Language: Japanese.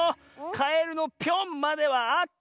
カエルの「ぴょん」まではあってる。